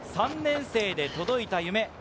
３年生で届いた夢。